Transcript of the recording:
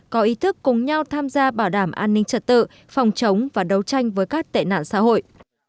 có ý thức cùng nhau tham gia bảo đảm an ninh trật tự phòng chống và đấu tranh với các tệ nạn xã hội